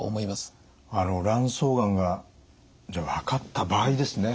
卵巣がんが分かった場合ですね